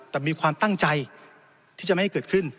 แต่มีความตั้งใจที่จะไม่ให้เกิดขึ้น